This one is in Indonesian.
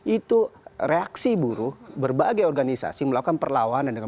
itu reaksi buruh berbagai organisasi melakukan perlawanan